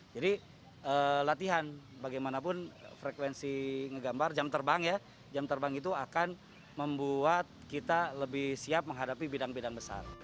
jadi latihan bagaimanapun frekuensi menggambar jam terbang ya jam terbang itu akan membuat kita lebih siap menghadapi bidang bidang besar